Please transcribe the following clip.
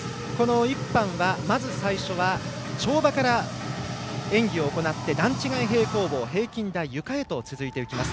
１班は、まず最初は跳馬から演技を行って段違い平行棒、平均台ゆかへと続いていきます。